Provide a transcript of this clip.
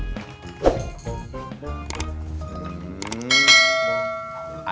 nia gambar apa